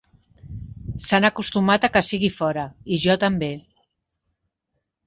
S'han acostumat a que sigui fora, i jo també.